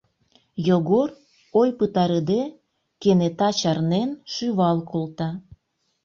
Йогор, ой пытарыде, кенета чарнен, шӱвал колта.